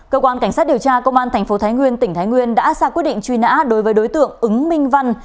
cơ quan cảnh sát điều tra công an tp thái nguyên tỉnh thái nguyên đã ra quyết định truy nã đối với đối tượng ứng minh văn